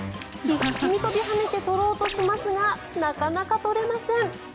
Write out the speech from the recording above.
必死に跳びはねて取ろうとしますがなかなか取れません。